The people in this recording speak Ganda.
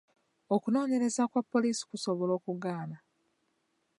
Okunoonyereza kwa puliisi kusobola okugaana.